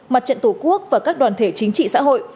mặt trận tổ quốc và các đoàn thể chính trị xã hội